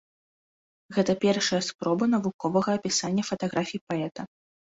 Гэта першая спроба навуковага апісання фатаграфій паэта.